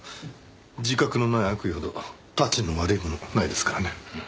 自覚のない悪意ほどタチの悪いものないですからね。